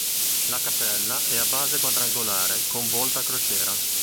La cappella è a base quadrangolare con volta a crociera.